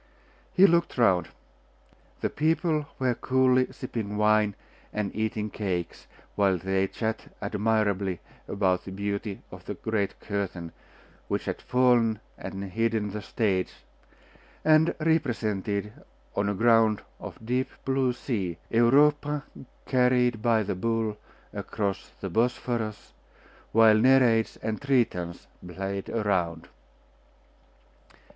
He looked round. The people were coolly sipping wine and eating cakes, while they chatted admirably about the beauty of the great curtain, which had fallen and hidden the stage, and represented, on a ground of deep blue sea, Europa carried by the bull across the Bosphorus, while Nereids and Tritons played around.